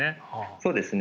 そうですね